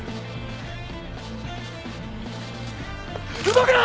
動くな！